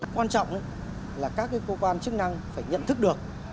quan trọng là các cơ quan chức năng phải nhận thức được